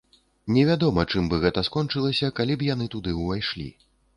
Невядома чым бы гэта скончылася, калі б яны туды ўвайшлі.